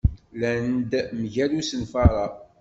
Llan-d mgal usenfar-a.